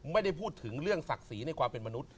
ไม่ได้พูดถึงเรื่องศักดิ์ศรีในความเป็นมนุษย